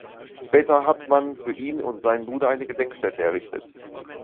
Später hat man für ihn und seinen Bruder eine Gedenkstätte errichtet.